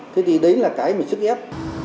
thế thì đấy là cái mà sức ép